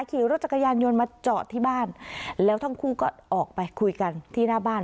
ขี่รถจักรยานยนต์มาจอดที่บ้านแล้วทั้งคู่ก็ออกไปคุยกันที่หน้าบ้าน